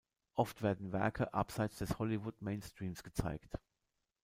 Oft werden Werke abseits des Hollywood-Mainstreams gezeigt.